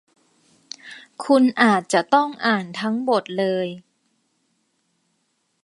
คุณอาจจะต้องอ่านทั้งบทเลย